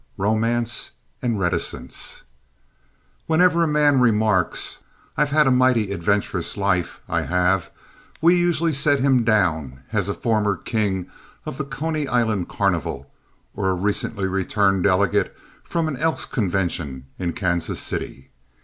Romance and Reticence Whenever a man remarks "I've had a mighty adventurous life, I have," we usually set him down as a former king of the Coney Island carnival or a recently returned delegate from an Elks' convention in Kansas City.